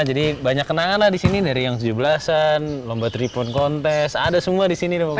jadi banyak kenangan lah di sini dari yang tujuh belas an lomba tiga point contest ada semua di sini pokoknya